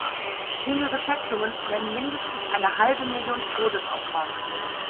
Jüngere Schätzungen nennen „mindestens eine halbe Million Todesopfer“.